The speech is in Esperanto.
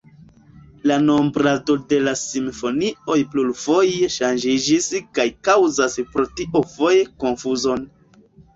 La nombrado de la simfonioj plurfoje ŝanĝiĝis kaj kaŭzas pro tio foje konfuzon.